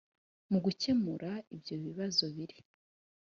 mu gukemura ibyo ibibazo biri